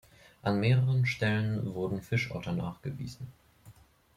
An mehreren Stellen wurden Fischotter nachgewiesen.